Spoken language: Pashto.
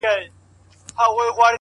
د شرابو په دېگو کي! دوږخ ژاړي جنت خاندي!